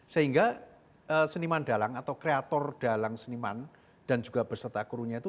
sehingga seniman dalang atau kreator dalang seniman dan juga berserta krunya itu